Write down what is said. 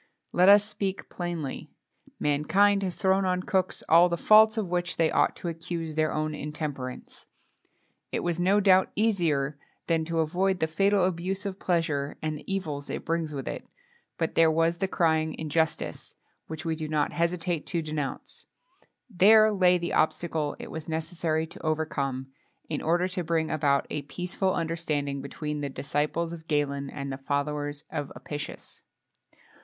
Let us speak plainly: mankind has thrown on cooks all the faults of which they ought to accuse their own intemperance. It was no doubt easier, than to avoid the fatal abuse of pleasure, and the evils it brings with it; but there was the crying injustice, which we do not hesitate to denounce; there lay the obstacle it was necessary to overcome, in order to bring about a peaceful understanding between the disciples of Galen and the followers of Apicius.